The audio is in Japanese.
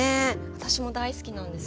私も大好きなんです。